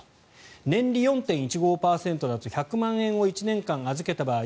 年利４．１５％だと１００万円を１年間預けた場合